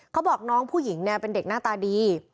เขาบอกน้องผู้หญิงเนี่ยเป็นเด็กหน้าตาดี